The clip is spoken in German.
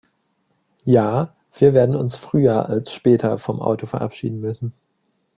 Ja, wir werden uns früher als später vom Auto verabschieden müssen.